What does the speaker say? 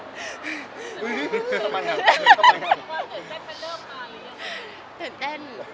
ตื่นเต้นมันเริ่มมาหรือเปล่า